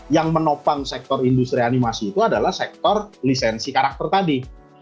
yang menopang sektor industri animasi itu adalah sektor lisensi karakter tadi